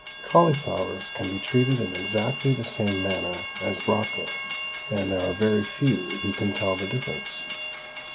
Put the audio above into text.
Cauliflowers can be treated in exactly the same manner as brocoli, and there are very few who can tell the difference.